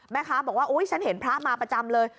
แม่ค้าบอกว่าอุ๊ยฉันเห็นพระมาประจำเลย